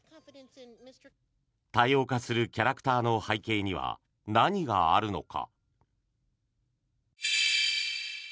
多様化するキャラクターの背景には何があるのか。